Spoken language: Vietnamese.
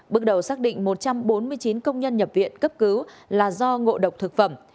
bước đầu xác định một trăm bốn mươi chín công nhân nhập viện cấp cứu là do ngộ độc thực phẩm